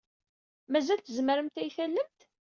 Mazal tzemremt ad iyi-tallemt?